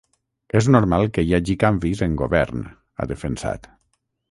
És normal que hi hagi canvis en govern, ha defensat.